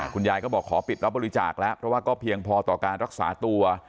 คุณยายก็บอกขอปิดรับบริจาคแล้วเพราะว่าก็เพียงพอต่อการรักษาตัว